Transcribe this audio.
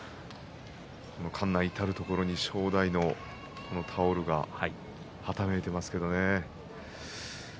館内の至る所に正代のタオルがはためいています。